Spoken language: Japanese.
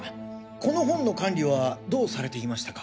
この本の管理はどうされていましたか？